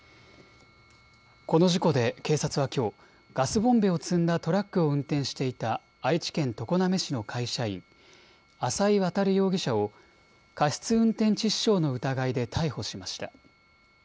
この事故で警察はきょう、ガスボンベを積んだトラックを運転していた愛知県常滑市の会社員、浅井渉容疑者を過失運転致死傷の疑いで逮捕しました。